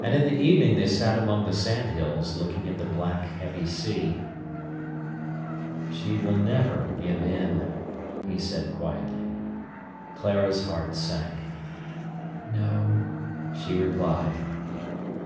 And in the evening they sat among the sandhills, looking at the black, heavy sea. "She will never give in," he said quietly. Clara's heart sank. "No," she replied.